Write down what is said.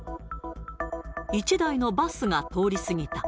１台のバスが通り過ぎた。